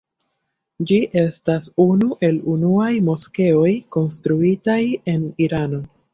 Ĝi estas unu el unuaj moskeoj konstruitaj en Irano.